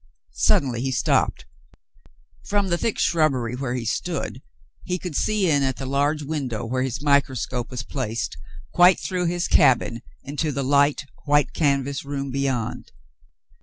Suddenly he stopped. From the thick shrubbery where he stood he could see in at the large window where his microscope was placed quite through his cabin into the light, white canvas room beyond.